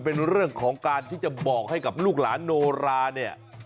เป็นเรื่องของการที่จะบอกให้กับลูกหลานโนราเนี่ย